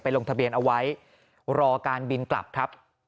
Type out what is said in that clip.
ลงทะเบียนเอาไว้รอการบินกลับครับ